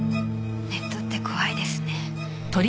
ネットって怖いですね。